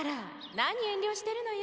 何遠慮してるのよ